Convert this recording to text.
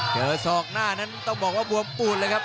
ศอกหน้านั้นต้องบอกว่าบวมปูดเลยครับ